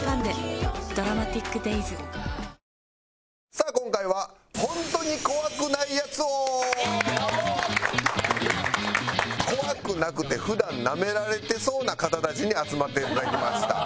さあ今回は怖くなくて普段ナメられてそうな方たちに集まっていただきました。